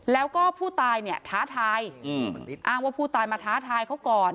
แล้วก็ผู้ตายเนี่ยท้าทายอ้างว่าผู้ตายมาท้าทายเขาก่อน